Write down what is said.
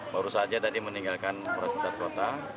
baru saja tadi meninggalkan mapores blitar kota